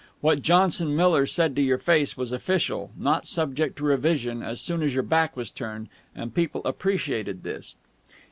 What Johnson Miller said to your face was official, not subject to revision as soon as your back was turned, and people appreciated this.